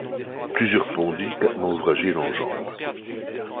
Plusieurs ponts délicatement ouvragés l’enjambent.